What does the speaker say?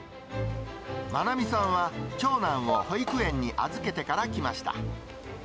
愛美さんは長男を保育園に預けてから来ました。